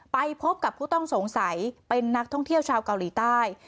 ไปพบกับผู้ต้องสงสัยเป็นนักท่องเที่ยวชาวเกาหลีใต้